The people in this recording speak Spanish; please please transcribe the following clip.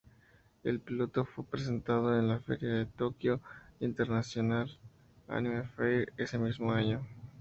El piloto fue presentado en la feria Tokyo International Anime Fair ese mismo año.